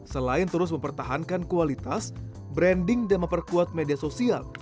selain terus mempertahankan kualitas branding dan memperkuat media sosial